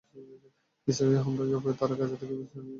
Israeli হামলার জবাবে তারা গাজা থেকে ইসরায়েলকে লক্ষ্য করে রকেট ছুড়ছে।